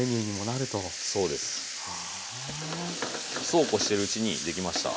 そうこうしてるうちにできました。